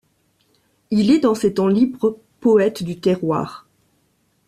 Il est dans ses temps libres poète du terroir.